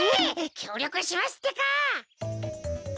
きょうりょくしますってか！